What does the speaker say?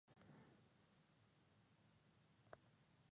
Google Now está implementado como un aspecto de la aplicación Google Search.